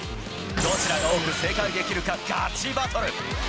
どちらが多く正解できるか、ガチバトル。